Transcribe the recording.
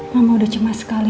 mama udah cemas sekali